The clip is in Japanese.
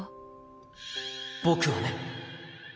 僕はね。